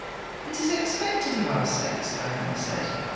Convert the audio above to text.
'It is expected of our sex,' Diana said.